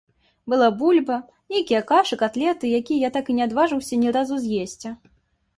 Была бульба, нейкія кашы, катлеты, якія я так і не адважыўся ні разу з'есці.